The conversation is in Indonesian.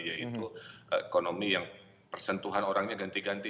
yaitu ekonomi yang persentuhan orangnya ganti ganti